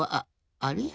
あれ？